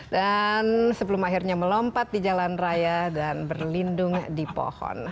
dan sebelum akhirnya melompat di jalan raya dan berlindung di pohon